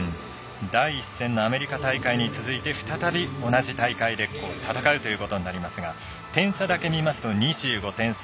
第１戦のアメリカ大会に続いて再び、同じ大会で戦うということになりますが点差だけ見ますと２５点差。